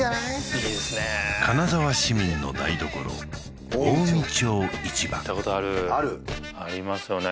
いいですね金沢市民の台所近江町市場行ったことあるありますよね